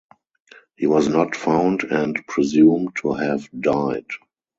He was not found and presumed to have died.